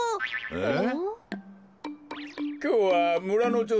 えっ！